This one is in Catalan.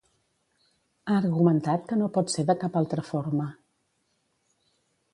Ha argumentat que no pot ser de cap altra forma.